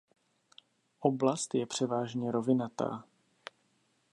Oblast je převážné rovinatá.